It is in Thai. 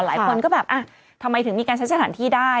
หลายคนก็แบบทำไมถึงมีการใช้สถานที่ได้